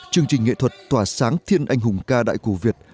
chương trình nghệ thuật tỏa sáng thiên anh hùng ca đại cổ việt